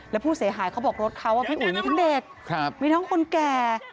แล้วผู้เสียหายเขาบอกรถเขาพี่อุ๋ยมีทั้งเด็กมีทั้งคนแก่